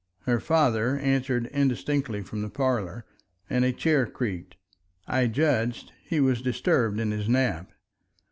Her father answered indistinctly from the parlor, and a chair creaked. I judged he was disturbed in his nap.